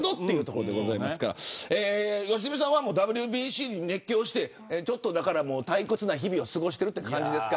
良純さんはＷＢＣに熱狂して退屈な日々を過ごしている感じですか。